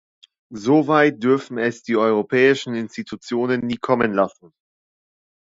So weit dürfen es die europäischen Institutionen nie kommen lassen.